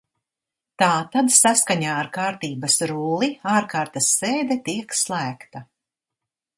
Tātad saskaņā ar Kārtības rulli ārkārtas sēde tiek slēgta.